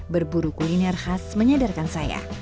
berburu kuliner khas menyadarkan saya